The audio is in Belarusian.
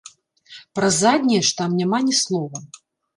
Пра заднія ж там няма ні слова.